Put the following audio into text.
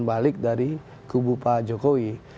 balik dari kubu pak jokowi